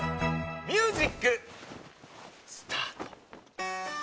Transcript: ミュージックスタート。